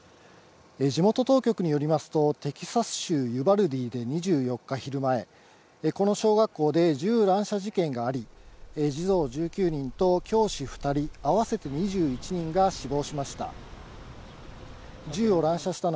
地元当局によりますと、テキサス州ユバルディで２４日昼前、この小学校で銃乱射事件があり、児童１９人と教師２人、合わせて２１人が死亡しました。